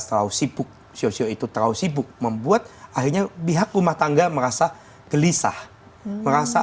terlalu sibuk sio sio itu terlalu sibuk membuat akhirnya pihak rumah tangga merasa gelisah merasa